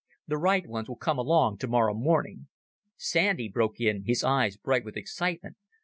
"The right ones will come along tomorrow morning." Sandy broke in, his eyes bright with excitement.